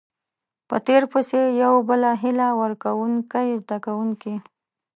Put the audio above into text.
په تير پسې يو بل هيله ورکوونکۍ زده کوونکي